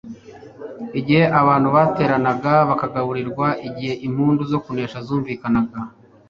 Igihe abantu bateranaga bakagaburirwa, igihe impundu zo kunesha zumvikanaga,